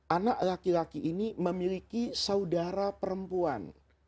anak laki laki ini memiliki saudara perempuan